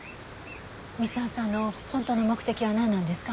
三沢さんの本当の目的はなんなんですか？